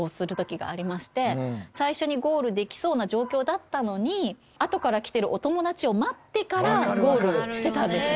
最初にゴールできそうな状況だったのにあとから来てるお友達を待ってからゴールしてたんですね。